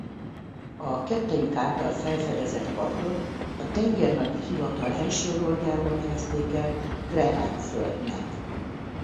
A kettejük által felfedezett partot a tengernagyi hivatal első lordjáról nevezték el Graham-földnek.